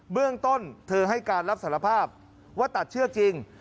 เรื่องต้นเธอให้การรับสารภาพว่าตัดเชือกจริง